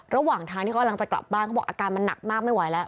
ระหว่างทางที่เขากำลังจะกลับบ้านเขาบอกอาการมันหนักมากไม่ไหวแล้ว